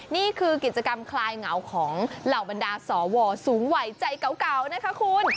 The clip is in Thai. นี่คือกิจกรรมคลายเหงาของเหล่าบรรดาสวสูงไหวใจเก่านะคะคุณ